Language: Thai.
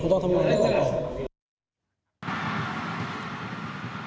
ก็มันต้องทำอย่างนี้ก่อน